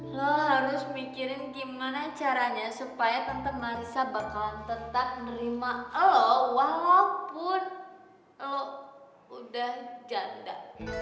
lo harus mikirin gimana caranya supaya teman teman risa bakalan tetap menerima lo walaupun lo udah janda